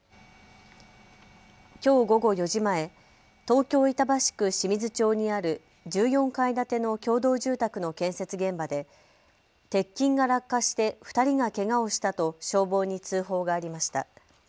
きょう午後４時前、東京板橋区清水町にある１４階建ての共同住宅の建設現場で、鉄筋が落下して２人がけがをしたと消防に通報がありました。